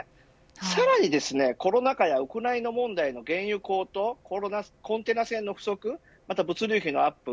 さらにコロナ禍やウクライナ問題の原油高騰とコンテナ船の不足物流費のアップ